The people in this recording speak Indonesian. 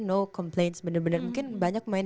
no complaints bener bener mungkin banyak pemain